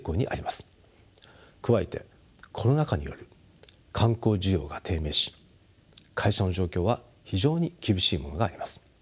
加えてコロナ禍により観光需要が低迷し会社の状況は非常に厳しいものがあります。